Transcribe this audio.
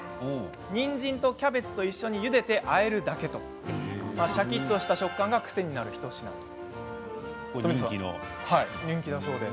にんじんとキャベツと一緒にゆでて、あえるだけシャキっとした食感が癖になる一品です。